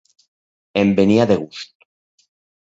Em venia de gust.